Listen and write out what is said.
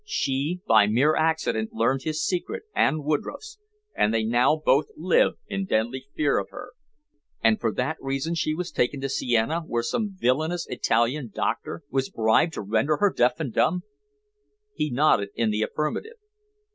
She, by mere accident, learned his secret and Woodroffe's, and they now both live in deadly fear of her." "And for that reason she was taken to Siena, where some villainous Italian doctor was bribed to render her deaf and dumb." He nodded in the affirmative.